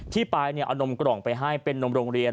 ปลายเอานมกล่องไปให้เป็นนมโรงเรียน